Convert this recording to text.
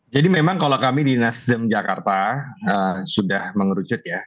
jadi memang kalau kami di nasdem jakarta sudah mengerucut ya